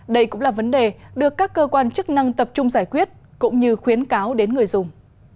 đây cũng là vấn đề được các cơ quan chức năng tập trung giải quyết cũng như khuyến cáo đến người dùng